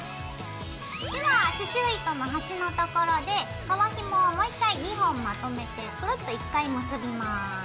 では刺しゅう糸の端のところで革ひもをもう１回２本まとめてクルッと１回結びます。